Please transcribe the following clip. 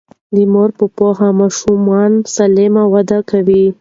د مور په پوهه ماشومان سالم وده کوي.